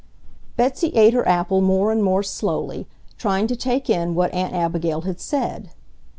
Betsy ate her apple more and more slowly, trying to take in what Aunt Abigail had said.